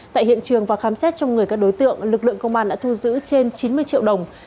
tại hiện trường và khám xét trong người các đối tượng lực lượng công an đã thu giữ trên chín mươi triệu đồng